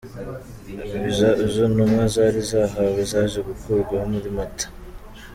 Viza izo ntumwa zari zahawe zaje gukurwaho muri Mata.